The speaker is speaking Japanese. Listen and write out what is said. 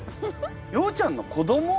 ようちゃんの子ども？